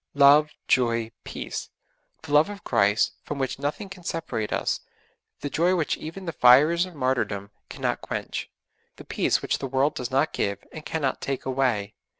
Love, joy, peace; the love of Christ from which nothing can separate us; the joy which even the fires of martyrdom cannot quench; the peace which the world does not give, and cannot take away.